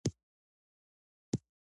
د ښځو ملاتړ د ټولنې ځواک زیاتوي.